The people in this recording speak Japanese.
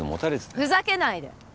ふざけないで。